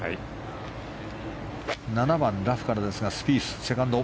７番、ラフからですがスピース、セカンド。